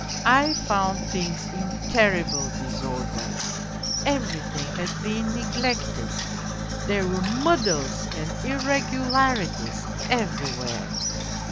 I found things in terrible disorder everything had been neglected, there were muddles and irregularities everywhere.